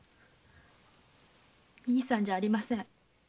兄さんじゃありません。